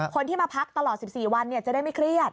คนที่มาพักตลอด๑๔วันจะได้ไม่เครียด